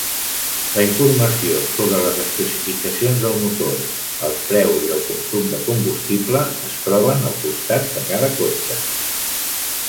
La informació sobre les especificacions del motor, els preus i el consum de combustible es troben al costat de cada cotxe.